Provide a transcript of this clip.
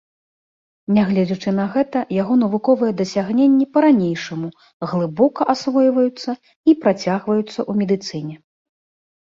Нягледзячы на гэта, яго навуковыя дасягненні па-ранейшаму глыбока асвойваюцца і працягваюцца ў медыцыне.